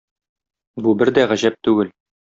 Бу бер дә гаҗәп түгел.